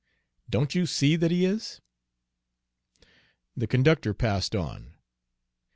"Don't you see that he is?" The conductor passed on.